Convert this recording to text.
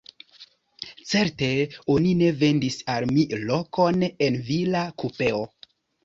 Certe oni ne vendis al mi lokon en vira kupeo.